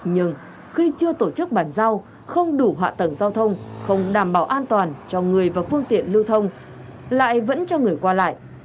nhưng khi chưa tổ chức bàn giao không đủ hạ tầng giao thông không đảm bảo an toàn cho người và phương tiện lưu thông lại vẫn cho người qua lại